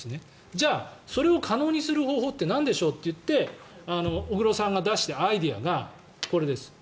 じゃあそれを可能にする方法ってなんでしょういって小黒さんが出したアイデアがこれです。